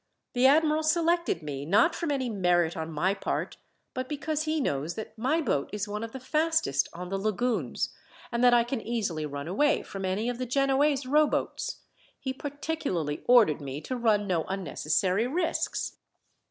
The admiral selected me, not from any merit on my part, but because he knows that my boat is one of the fastest on the lagoons, and that I can easily run away from any of the Genoese rowboats. He particularly ordered me to run no unnecessary risks."